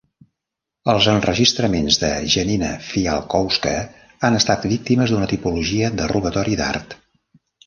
Els enregistraments de Janina Fialkowska han estat víctimes d'una tipologia de robatori d'art.